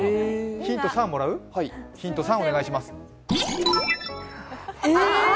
ヒント３、お願いします。